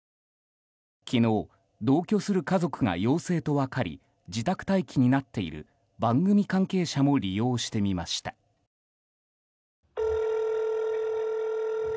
昨日、同居する家族が陽性と分かり自宅待機になっている番組関係者も利用してみました。